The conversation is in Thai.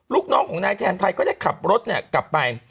ลูกน้องของนายแทนไทยก็ได้ขับรถกลับไป